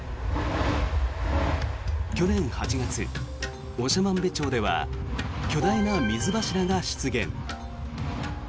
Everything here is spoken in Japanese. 去年８月、長万部町では巨大な水柱が出現。